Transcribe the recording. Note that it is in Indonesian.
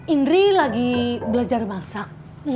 indri lagi belajar masak